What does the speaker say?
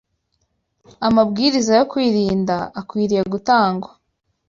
Amabwiriza yo Kwirinda Akwiriye Gutangwa